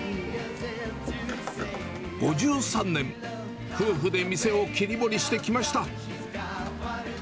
５３年、夫婦で店を切り盛りしてきました。